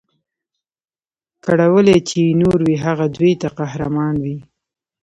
کړولي چي یې نور وي هغه دوی ته قهرمان وي